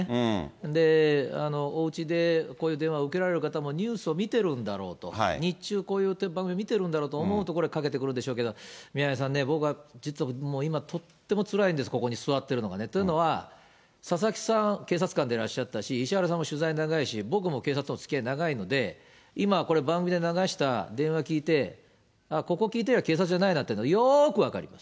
で、おうちで、こういう電話を受けられる方もニュースを見てるんだろうと、日中、こういう番組見てるんだろうと思うと、これ、かけてくるでしょうけれども、宮根さんね、僕は実は今、とってもつらいんです、ここに座っているのがね。というのは、佐々木さん、警察官でらっしゃったし、石原さんも取材長いし、僕も警察とのおつきあい長いので、今、これ、番組で流した、電話聞いて、ああ、ここ聞いてれば、警察じゃないなっていうの、よーく分かります。